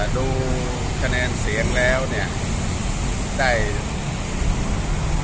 ดูคะแนนเสียงแล้วเนี่ยได้